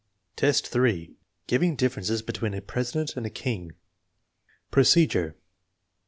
XIV, 3. Giving differences between a president and a king Procedure.